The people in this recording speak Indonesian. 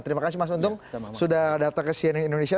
terima kasih mas untung sudah datang ke cnn indonesia